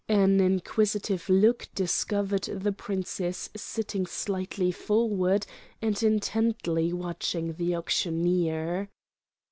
An inquisitive look discovered the princess sitting slightly forward and intently watching the auctioneer.